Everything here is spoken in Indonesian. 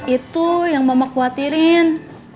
itu yang emak khawatirin